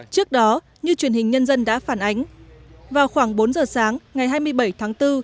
trước đó như truyền hình nhân dân đã phản ánh vào khoảng bốn giờ sáng ngày hai mươi bảy tháng bốn